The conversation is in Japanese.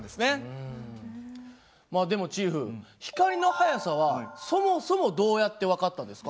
まあでもチーフ光の速さはそもそもどうやって分かったんですか？